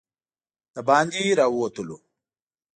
د باندې راووتلو.